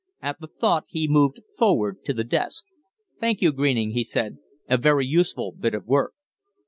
At the thought he moved forward to the desk. "Thank you, Greening," he said. "A very useful bit of work."